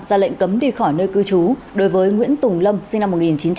ra lệnh cấm đi khỏi nơi cư trú đối với nguyễn tùng lâm sinh năm một nghìn chín trăm tám mươi